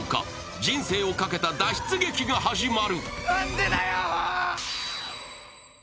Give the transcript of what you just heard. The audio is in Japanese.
人生をかけた脱出劇が始まる。